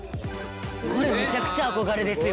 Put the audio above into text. これめちゃくちゃ憧れですよ。